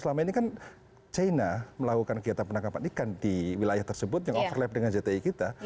selama ini kan china melakukan kegiatan penangkapan ikan di wilayah tersebut yang overlap dengan jti kita